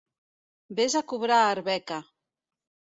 Ves a cobrar a Arbeca!